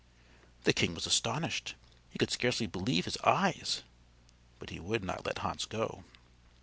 The king was astonished. He could scarcely believe his eyes; but he would not let Hans go.